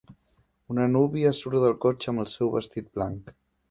Una núvia surt del cotxe amb el seu vestit blanc.